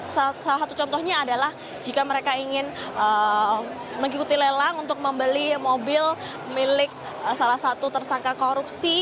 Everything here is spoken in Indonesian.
salah satu contohnya adalah jika mereka ingin mengikuti lelang untuk membeli mobil milik salah satu tersangka korupsi